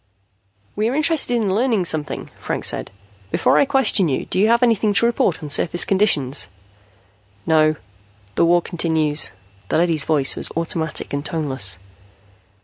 "We are interested in learning something," Franks said. "Before I question you, do you have anything to report on surface conditions?" "No. The war continues." The leady's voice was automatic and toneless.